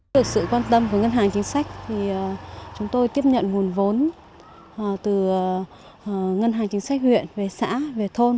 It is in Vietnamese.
được sự quan tâm của ngân hàng chính sách chúng tôi tiếp nhận nguồn vốn từ ngân hàng chính sách huyện về xã về thôn